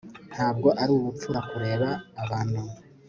ntabwo ari ubupfura kureba abantu